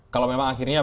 kalau memang akhirnya